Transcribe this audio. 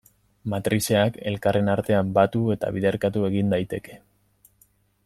Matrizeak elkarren artean batu eta biderkatu egin daiteke.